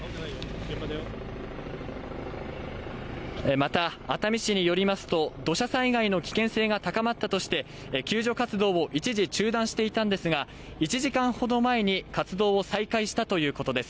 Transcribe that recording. また熱海市によりますと土砂災害の危険性が高まったとして救助活動を一時中断していたんですが、１時間ほど前に活動を再開したということです。